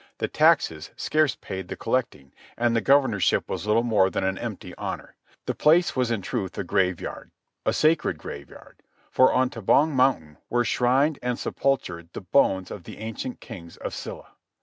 The taxes scarce paid the collecting, and the governorship was little more than an empty honour. The place was in truth a graveyard—a sacred graveyard, for on Tabong Mountain were shrined and sepultured the bones of the ancient kings of Silla.